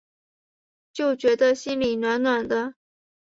就觉得心里暖暖的